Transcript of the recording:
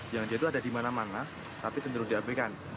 yang dia itu ada di mana mana tapi cenderung diabaikan